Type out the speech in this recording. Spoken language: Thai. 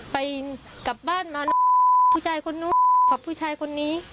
ไปกลับบ้านมาผู้ชายคนนู้นกับผู้ชายคนนี้